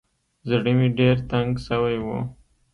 زړه مې ډېر تنګ سوى و.